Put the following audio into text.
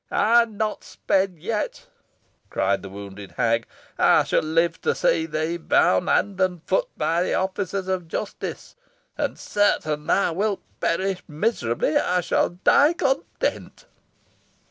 "I am not sped yet," cried the wounded hag; "I shall live to see thee bound hand and foot by the officers of justice, and, certain thou wilt perish miserably, I shall die content."